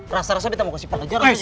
rasa rasa bete mau kasih pelajaran ke dia